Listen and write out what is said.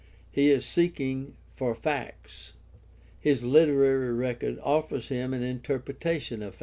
He is seeking for facts; his literary record offers him an interpretation of facts.